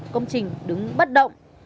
công trình đứng bất động